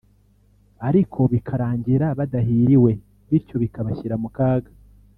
ariko bikarangira badahiriwe bityo bikabashyira mu kaga